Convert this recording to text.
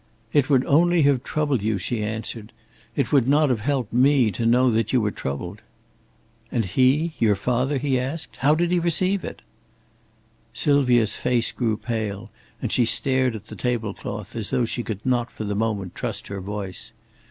"It would only have troubled you," she answered. "It would not have helped me to know that you were troubled!" "And he your father?" he asked. "How did he receive it?" Sylvia's face grew pale, and she stared at the table cloth as though she could not for the moment trust her voice.